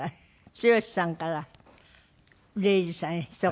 剛さんから礼二さんへひと言何かあります？